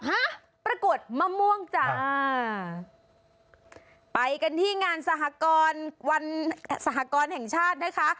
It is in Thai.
ฮะปรากฏมะม่วงจ้าไปกันที่งานสหกรวันสหกรณ์แห่งชาตินะคะ